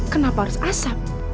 kenapa harus asap